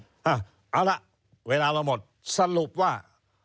เอาล่ะเวลามาหมดสรุปว่า